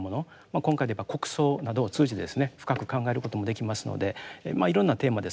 今回で言えば国葬などを通じてですね深く考えることもできますのでいろんなテーマですね